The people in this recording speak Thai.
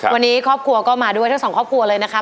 วันนี้ครอบครัวก็มาด้วยทั้งสองครอบครัวเลยนะคะ